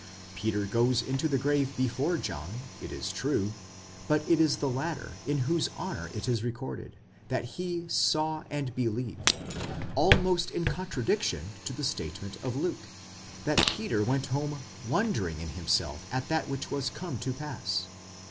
Peter goes into the grave before John, it is true; but it is the latter in whose honour it is recorded, that he saw and believed, almost in contradiction to the statement of Luke, that Peter went home wondering in himself at that which was come to pass.